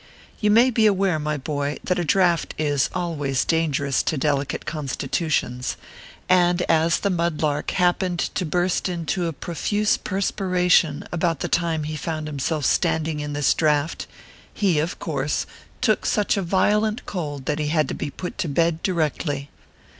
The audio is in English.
You may be aware, my boy, that a draft is always dangerous to delicate constitutions ; and, as the Mud lark happened to burst into a profuse per 284 ORPHEUS C. KERR PAPERS. spiration about tlie time he found himself standing in this draft, he, of course, took such a violent cold that he had to he put to bed directly.